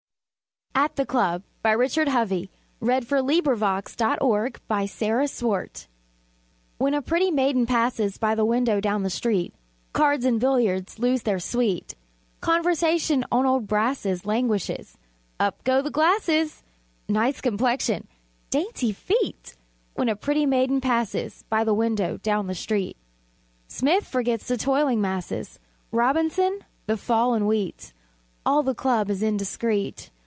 C D . E F . G H . I J . K L . M N . O P . Q R . S T . U V . W X . Y Z At the Club When a pretty maiden passes By the window down the street, Cards and billiards lose their sweet; Conversation on old brasses Languishes; up go the glasses: "Nice complexion!" "Dainty feet!" When a pretty maiden passes By the window down the street. Smith forgets the "toiling masses," Robinson, the fall in wheat; All the club is indiscret.